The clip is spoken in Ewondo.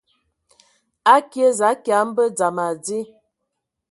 Akie za kia mbə dzam adi.